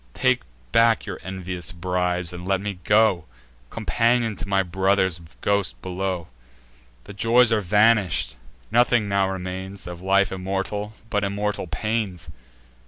Take back your envious bribes, and let me go Companion to my brother's ghost below! The joys are vanish'd: nothing now remains, Of life immortal, but immortal pains.